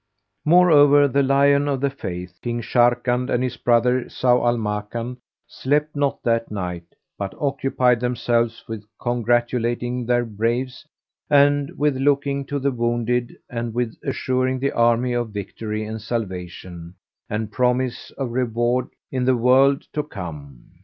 Moreover, the Lion of the Faith, King Sharrkan, and his brother, Zau al Makan, slept not that night, but occupied themselves with congratulating their braves and with looking to the wounded and with assuring the army of victory and salvation and promise of reward in the world to come.